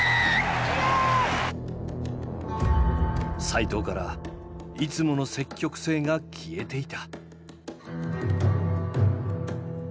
齋藤からいつもの積極性が消えていた。